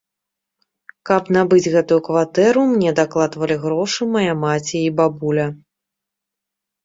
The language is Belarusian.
Каб набыць гэтую кватэру, мне дакладвалі грошы мая маці і бабуля.